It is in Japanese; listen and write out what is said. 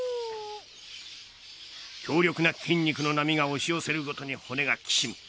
強力な筋肉の波が押し寄せるごとに骨がきしむ。